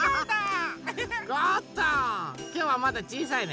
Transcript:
きょうはまだちいさいね。